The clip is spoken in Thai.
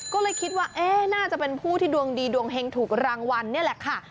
ก็เลยคิดว่าน่าจะเป็นผู้ที่ดวงดีดวงเฮงถูกรางวัลนี่แหละค่ะ